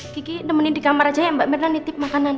kiki nemenin di kamar aja ya mbak mirna nitip makanan